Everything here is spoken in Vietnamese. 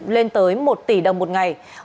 lên tới một tỷ đồng một ngày